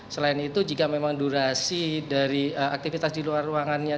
selain itu jika memang durasi dari aktivitas di luar ruangannya